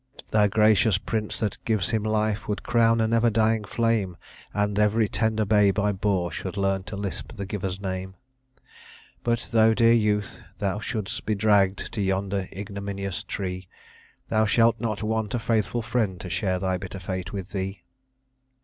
"The gracious prince that gives him life Would crown a never dying flame; And every tender babe I bore Should learn to lisp the giver's name. "But though, dear youth, thou shouldst be dragg'd To yonder ignominious tree, Thou shalt not want a faithful friend To share thy bitter fate with thee."